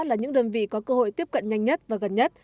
là những đơn vị có cơ hội tiếp cận nhanh nhất và gần nhất